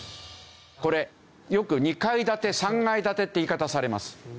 これよく２階建て３階建てって言い方されます。